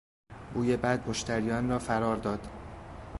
بوی بد مشتریان را فرار داد.